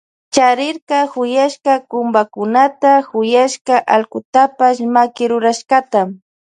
Charirka kuyaska kumbakunata y huyashka allkutapash makirurashkata.